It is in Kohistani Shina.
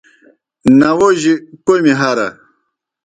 ناووجیْ کوْمی ہرہ۔